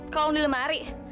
kalung di lemari